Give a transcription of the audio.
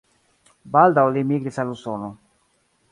Baldaŭ li migris al Usono.